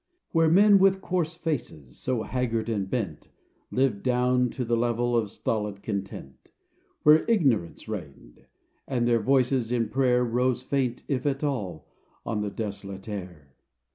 Where men with coarse faces, so haggard and bent, Lived down to the level of stolid content ; Where Ignorance reigned, and their voices in prayer, Rose faint, if at all, on the desolate' air